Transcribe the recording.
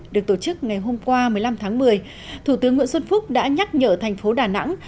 được tổ chức ngày hôm qua một mươi năm tháng một mươi thủ tướng nguyễn xuân phúc đã nhắc nhở thành phố đà nẵng